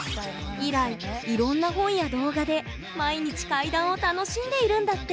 以来いろんな本や動画で毎日怪談を楽しんでいるんだって！